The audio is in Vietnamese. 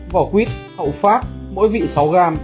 vỏ quýt hậu phác mỗi vị sáu g